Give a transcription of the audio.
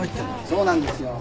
そうなんですよ。